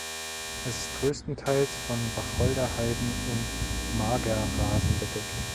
Es ist größtenteils von Wacholderheiden und Magerrasen bedeckt.